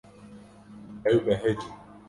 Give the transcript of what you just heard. Ew behecîn.